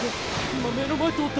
今目の前通った！